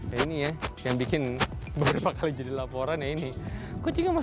ya ini ya yang bikin beberapa kali jadi laporan ya ini kucingnya masih